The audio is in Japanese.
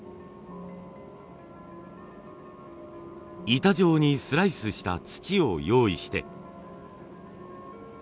板状にスライスした土を用意して。